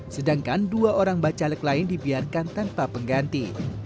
sedangkan dua orang bacalek lain dibiarkan tanpa pengganti